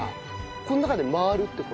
この中で回るって事？